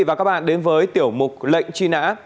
và các bạn đến với tiểu mục lệnh truy nã